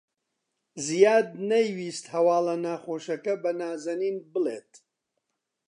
زیاد نەیویست هەواڵە ناخۆشەکە بە نازەنین بڵێت.